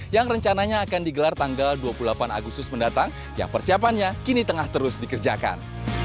yang rencananya akan digelar tanggal dua puluh delapan agustus mendatang yang persiapannya kini tengah terus dikerjakan